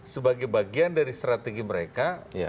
sebagai bagian dari strategi mereka